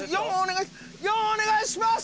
お願いします。